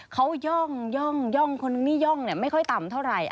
เขาย่องคนนึงนี่ย่องไม่ค่อยต่ำเท่าไหร่